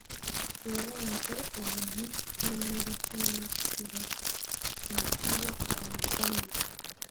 uwabanje ubuntu n'ineza kimwe no gutura abakuru umuganura